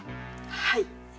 はい！